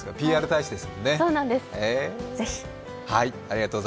ＰＲ大使ですもんね。